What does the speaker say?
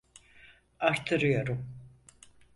Arttırıyorum.